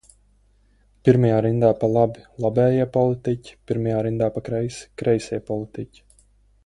Pirmajā rindā pa labi – labējie politiķi, pirmajā rindā pa kreisi – kreisie politiķi.